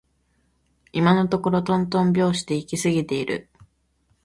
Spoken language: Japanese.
今のところとんとん拍子で行き過ぎている